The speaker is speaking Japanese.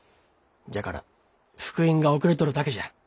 じゃから復員が遅れとるだけじゃ。